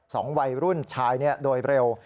สองวัยรุ่นชายโดยเร็ว